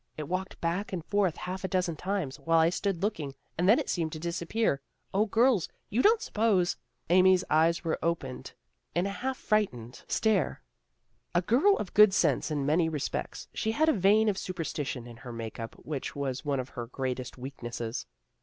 It walked back and forth half a dozen times, while I stood looking, and then it seemed to disappear. 0, girls, you don't suppose Amy's eyes were opened in a half frightened 92 THE GIRLS OF FRIENDLY TERRACE stare. A girl of good sense in many respects, she had a vein of superstition in her make up which was one of her greatest weaknesses.